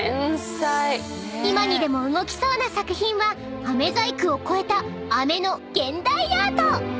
［今にでも動きそうな作品はあめ細工を超えたあめの現代アート！］